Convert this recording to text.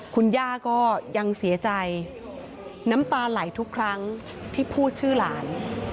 คุณย่าก็ยังเสียใจน้ำตาไหลทุกครั้งที่พูดชื่อหลาน